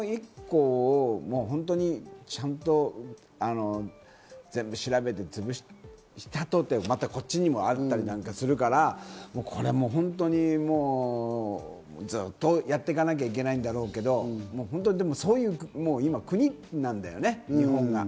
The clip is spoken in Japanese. ちゃんと全部調べて、潰したとて、またこっちにもあったりするから、ずっとやっていかなきゃいけないんだろうけど、そういう国なんだよね、日本が。